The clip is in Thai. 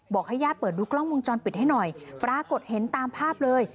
ให้ญาติเปิดดูกล้องวงจรปิดให้หน่อยปรากฏเห็นตามภาพเลย